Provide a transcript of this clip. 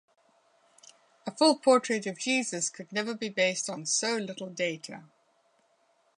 A full portrait of Jesus could never be based on so little data.